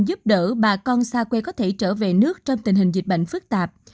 giúp đỡ bà con xa quê có thể trở về nước trong tình hình dịch bệnh phức tạp